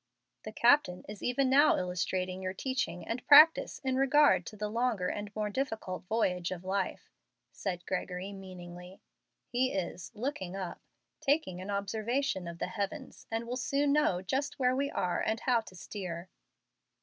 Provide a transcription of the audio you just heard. "The captain is even now illustrating your own teaching and practice in regard to the longer and more difficult voyage of life," said Gregory, meaningly. "He is 'looking up' taking an observation of the heavens, and will soon know just where we are and how to steer."